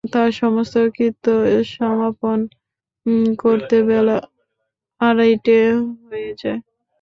তাঁর সমস্ত কৃত্য সমাপন করতে বেলা আড়াইটে হয়ে যায়।